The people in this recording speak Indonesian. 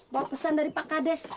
bawa pesan dari pak kandis